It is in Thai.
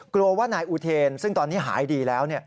กลัวว่านายอูเทนซึ่งตอนนี้หายดีแล้ว